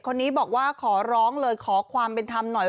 คนนี้บอกว่าขอร้องเลยขอความเป็นธรรมหน่อย